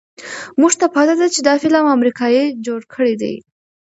مونږ ته پته ده چې دا فلم امريکې جوړ کړے دے